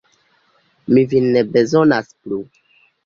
Mi vin ne bezonas plu.